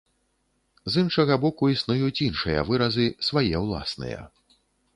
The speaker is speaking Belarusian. З іншага боку, існуюць іншыя выразы, свае ўласныя.